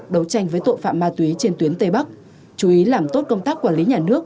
đấu tranh với tội phạm ma túy trên tuyến tây bắc chú ý làm tốt công tác quản lý nhà nước